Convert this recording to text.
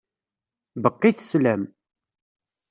Beqqit sslam.